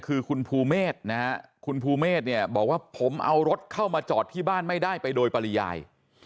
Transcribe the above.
คือคุณภูเมฆนะฮะคุณภูเมฆเนี่ยบอกว่าผมเอารถเข้ามาจอดที่บ้านไม่ได้ไปโดยปริยาย